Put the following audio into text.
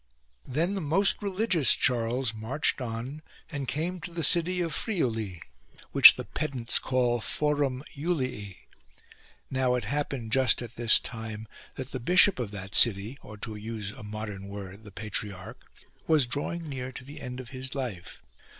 Then the most religious Charles marched on and came to the city of Friuli, which the pedants call Forum Julii. Now it happened just at this time that the bishop of that city (or, to use a modern word, the patriarch) was drawing near to the end of his life.